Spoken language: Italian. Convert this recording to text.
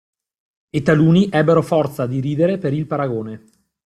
E taluni ebbero forza di ridere per il paragone.